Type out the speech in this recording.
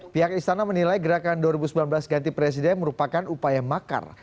pihak istana menilai gerakan dua ribu sembilan belas ganti presiden merupakan upaya makar